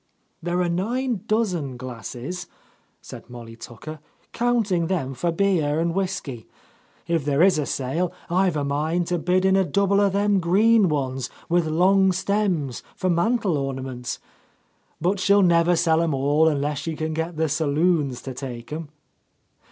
"There are nine dozen glasses," said Molly Tucker, "counting them for beer and whiskey. If there is a sale. I've a mind to bid in a couple of them green ones, with long stems, for mantel ornaments But she'll never sell 'em all, unless she can get the saloons to take 'em."